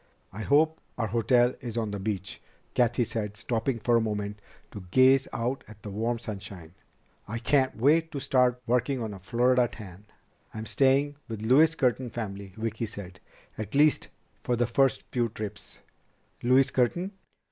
"I hope our hotel is on the beach," Cathy said, stopping for a moment to gaze out at the warm sunshine. "I can't wait to start working on a Florida tan." "I'm staying with Louise Curtin's family," Vicki said. "At least for the first few trips." "Louise Curtin?"